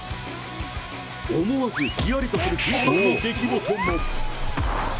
思わずひやりとする緊迫の出来事も。